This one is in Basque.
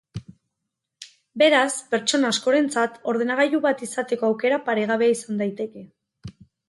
Beraz, pertsona askorentzat ordenagailu bat izateko aukera paregabea izan daiteke.